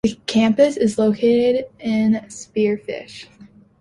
The campus is located in Spearfish.